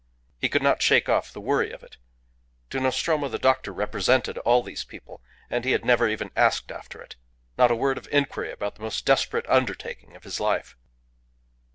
He could not shake off the worry of it. To Nostromo the doctor represented all these people. ... And he had never even asked after it. Not a word of inquiry about the most desperate undertaking of his life.